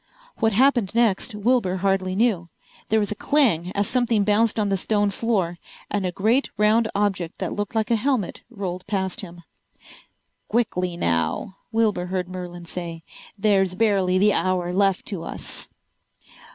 What happened next Wilbur hardly knew. There was a clang as something bounced on the stone floor, and a great round object that looked like a helmet rolled past him. "Quickly now," Wilbur heard Merlin say. "There is barely the hour left to us."